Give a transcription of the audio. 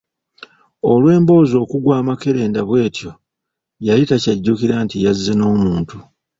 Olw'emboozi okugwa amakerenda bw'etyo, yali takyajjukira nti yazze n'omuntu.